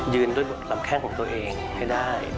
ด้วยลำแข้งของตัวเองให้ได้